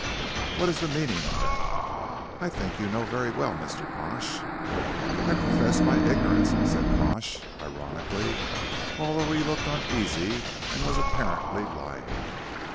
What is the meaning of that?" "I think you know very well, Mr. Pash." "I profess my ignorance," said Pash, ironically, although he looked uneasy, and was apparently lying.